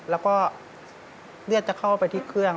แล้วก็เลือดจะเข้าไปที่เครื่อง